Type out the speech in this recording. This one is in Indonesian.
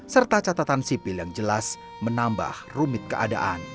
serta catatan sipil yang jelas menambah rumit keadilan mereka